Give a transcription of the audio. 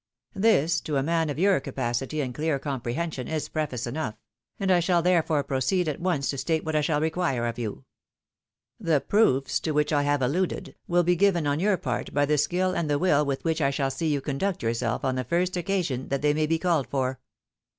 This, to a man of your capacity and clear compre hension, is preface enough; and I shall therefore proceed at once to state what I shall require of you. The proofs to which 294 THE ■WIDOW MAKEIED. I have alluded, will be given on your part by the skill and the will with which I shall see you conduct yourself on the first occasion that they may be called for."